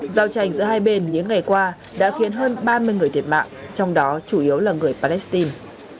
giao tranh giữa hai bên những ngày qua đã khiến hơn ba mươi người thiệt mạng trong đó chủ yếu là người palestine